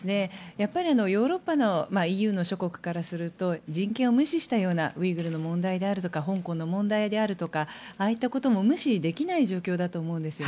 やっぱりヨーロッパＥＵ諸国からすると人権を無視したようなウイグルの問題や香港の問題であるとかああいったことも無視できない状況だと思います。